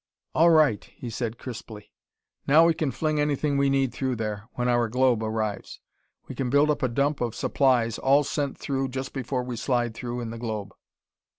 "All right!" he said crisply. "Now we can fling anything we need through there, when our globe arrives. We can built up a dump of supplies, all sent through just before we slide through in the globe."